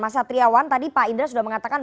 mas satriawan tadi pak indra sudah mengatakan